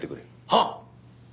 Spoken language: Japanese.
はっ！